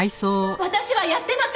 私はやってません！